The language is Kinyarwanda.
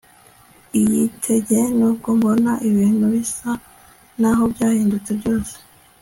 iyitege nubwo mbona ibintu bisa n' aho byahindutse byose